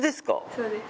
そうです